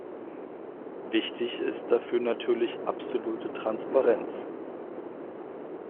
Wichtig ist dafür natürlich absolute Transparenz.